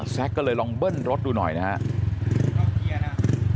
แซคก็เลยลองเบิ้ลรถดูหน่อยนะฮะ